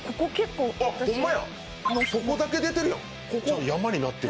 そこだけ出てるやん。